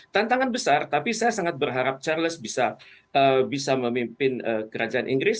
tantangan besar tapi saya sangat berharap charles bisa memimpin kerajaan inggris